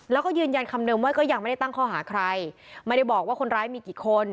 แล้วก็ยืนยันคำเดิมว่าก็ยังไม่ได้ตั้งข้อหาใครไม่ได้บอกว่าคนร้ายมีกี่คน